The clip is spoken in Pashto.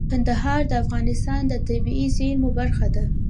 کندهار د افغانستان د طبیعي زیرمو برخه ده.